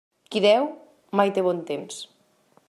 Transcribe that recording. Qui deu, mai té bon temps.